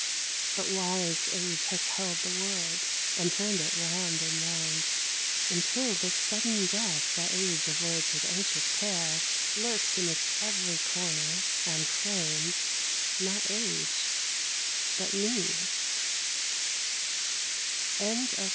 But wise age has held the world, And turned it round ami round, Until the sudden death thai age avoids with anxious Luiks m its every i orner, and chums out me 80 HELEN ROOTHAM.